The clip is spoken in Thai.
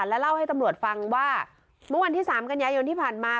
และเล่าให้ตำรวจฟังว่าเมื่อวันที่๓กันยายนที่ผ่านมา